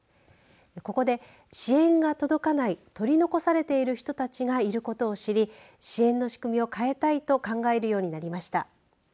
ここで、支援が届かない取り残されている人たちがいることを知り支援の仕組みを変えたいと考えるようになりました。